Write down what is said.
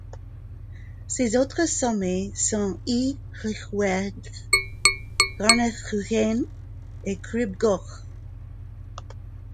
Ses autres sommets sont Y Lliwedd, Garnedd Ugain et Crib Goch.